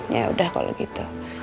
yaudah kalau gitu